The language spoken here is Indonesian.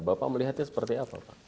bapak melihatnya seperti apa pak